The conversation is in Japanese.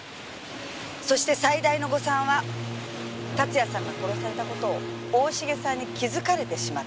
そして最大の誤算は龍哉さんが殺された事を大重さんに気づかれてしまった事。